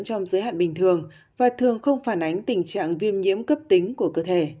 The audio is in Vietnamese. trong giới hạn bình thường và thường không phản ánh tình trạng viêm nhiễm cấp tính của cơ thể